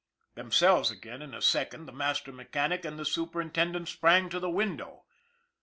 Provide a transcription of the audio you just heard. Themselves again in a second, the master mechanic and superintendent sprang to the window.